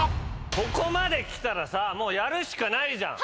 ここまできたらさもうやるしかないじゃん！